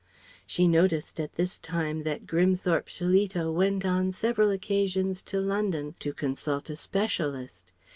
She noticed at this time that Grimthorpe Shillito went on several occasions to London to consult a specialist.